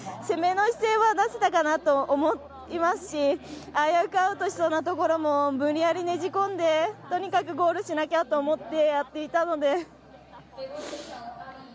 攻めの姿勢は出せたかなと思いますし危うくアウトしそうなところも無理やりねじ込んでとにかくゴールしなきゃと思ってやっていたので。